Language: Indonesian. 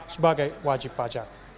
sebagai wajib pajak